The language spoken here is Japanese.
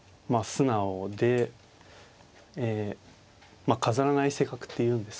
素直でえ飾らない性格っていうんですかね。